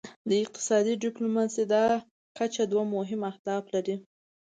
د اقتصادي ډیپلوماسي دا کچه دوه مهم اهداف لري